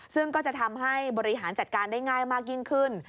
ซึ่งก็จะทำให้บริหารจัดการได้ง่ายมากยิ่งขึ้น